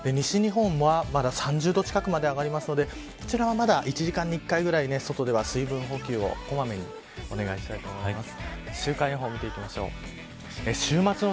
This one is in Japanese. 西日本は、まだ３０度近くまで上がりますのでこちらはまだ１時間に１回ぐらい外では、水分補給をこまめにお願いしたいと思います。